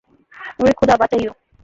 ওরে খোদা, বাচাইয়ো।